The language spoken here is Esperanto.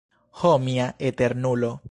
Ho mia Eternulo!